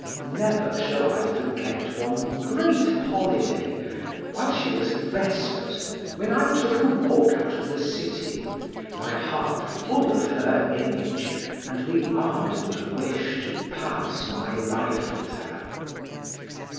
Never shall I forget one great holiday, while she was at vespers, when I took a walk out of the city, my heart full of her image, and the ardent wish to pass my life with her.